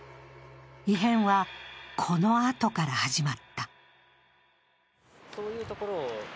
異変はこのあとから始まった。